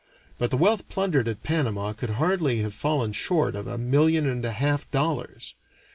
But the wealth plundered at Panama could hardly have fallen short of a million and a half of dollars.